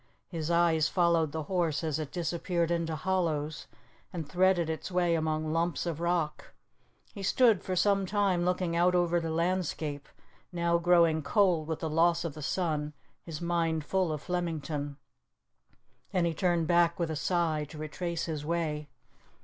His eyes followed the horse as it disappeared into hollows and threaded its way among lumps of rock. He stood for some time looking out over the landscape, now growing cold with the loss of the sun, his mind full of Flemington. Then he turned back with a sigh to retrace his way.